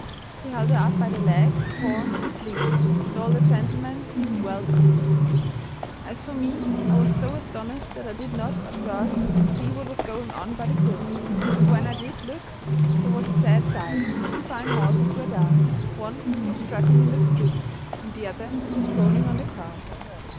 He held her up by the leg, torn and bleeding, and all the gentlemen seemed well pleased. As for me, I was so astonished that I did not at first see what was going on by the brook; but when I did look, there was a sad sight; two fine horses were down; one was struggling in the stream, and the other was groaning on the grass.